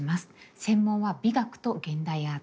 専門は美学と現代アート。